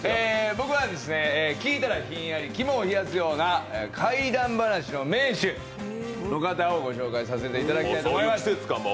僕は聞いたらひんやり、肝を冷やすような怪談話の名手の方をご紹介させていただきたいと思います。